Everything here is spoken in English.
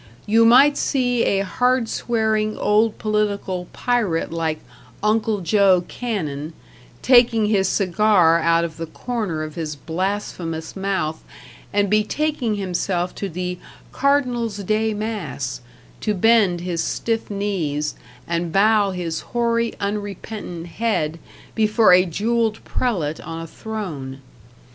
You might see a hard swearing old political pirate like "Uncle Joe" Cannon, taking his cigar out of the corner of his blasphemous mouth and betaking himself to the "Cardinal's Day Mass", to bend his stiff knees and bow his hoary unrepentant head before a jeweled prelate on a throne.